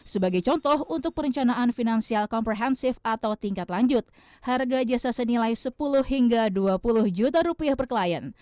sebagai contoh untuk perencanaan finansial komprehensif atau tingkat lanjut harga jasa senilai sepuluh hingga dua puluh juta rupiah per klien